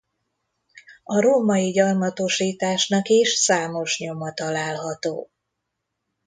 A római gyarmatosításnak is számos nyoma található.